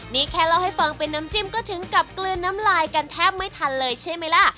นี่แค่เล่าให้ฟังเป็นน้ำจิ้มก็ถึงกับกลืนน้ำลายกันแทบไม่ทันเลยใช่ไหมล่ะ